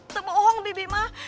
tepuk tangan bibi mah